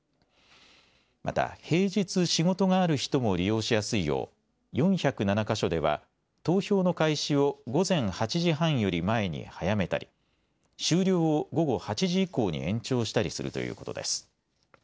また平日仕事がある人も利用しやすいよう、４０７か所では、投票の開始を午前８時半より前に早めたり、終了を午後８時以降に延長したりするということです。